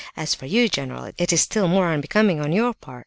As for you, general, it is still more unbecoming on your part.